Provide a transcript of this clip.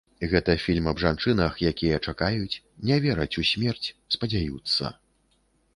Гэта фільм аб жанчынах, якія чакаюць, не вераць у смерць, спадзяюцца.